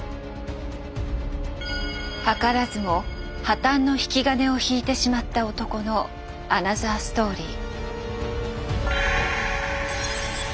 図らずも破たんの引き金を引いてしまった男のアナザーストーリー。